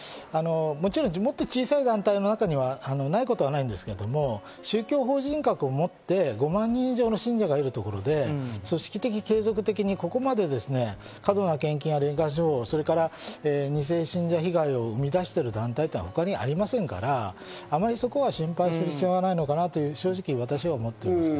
だからもっと小さい団体の中にはないこともないんですけど、宗教法人格をもって、５万人以上の信者がいるところで組織的、継続的にここまで過度な献金、二世信者被害を生み出している団体は他にありませんから、あまりそこは心配する必要はないのかなと正直、私は思ってます。